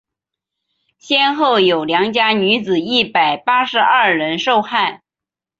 先后有良家女子一百八十二人受害。